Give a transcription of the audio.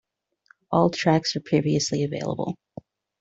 All tracks are previously available.